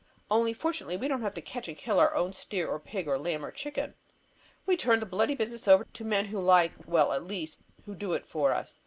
Only fortunately we don't have to catch and kill our own steer or pig or lamb or chicken. We turn the bloody business over to men who like well, at least, who do it for us.